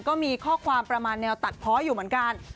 ก็มีข้อความประมาณแนวตัดเพาะอยู่เหมือนกัน